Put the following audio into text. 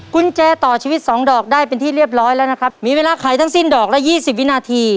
กุญแจต่อชีวิตสองดอกได้เป็นที่เรียบร้อยแล้วนะครับมีเวลาไขทั้งสิ้นดอกละยี่สิบวินาที